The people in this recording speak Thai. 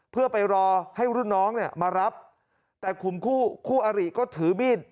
เพื่อไปรอให้รุ่นน้องเนี่ยมารับแต่ขุมคู่คู่อริก็ถือมีด